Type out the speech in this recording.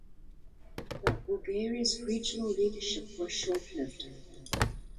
However, Bulgaria's regional leadership was short-lived.